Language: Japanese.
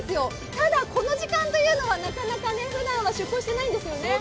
ただこの時間というのはふだんは出港してないんですよね。